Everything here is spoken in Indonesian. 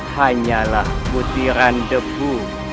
hanyalah putiran debu